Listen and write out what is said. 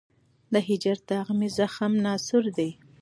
د هجر داغ مي زخم ناصور دی